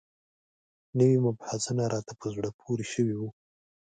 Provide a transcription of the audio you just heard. نوي مبحثونه راته په زړه پورې شوي وو.